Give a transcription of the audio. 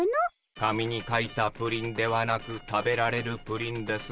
「紙に書いたプリンではなく食べられるプリン」ですね？